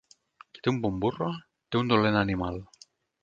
Qui té un bon burro, té un dolent animal.